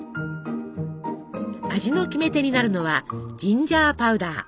味のキメテになるのはジンジャーパウダー。